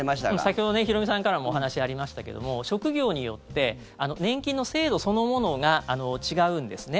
先ほどヒロミさんからもお話ありましたけども職業によって年金の制度そのものが違うんですね。